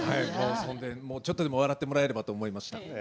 ちょっとでも笑ってもらえればと思いました。